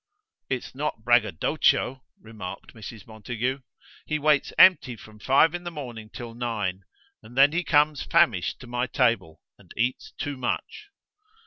"It's not braggadocio," remarked Mrs. Montague. "He waits empty from five in the morning till nine, and then he comes famished to my table, and cats too much."